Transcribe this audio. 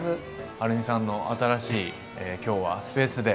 はるみさんの新しい今日はスペースで。